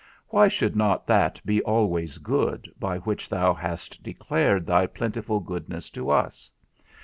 Why should not that be always good by which thou hast declared thy plentiful goodness to us?